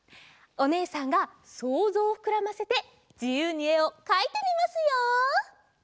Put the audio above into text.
おねえさんがそうぞうをふくらませてじゆうにえをかいてみますよ！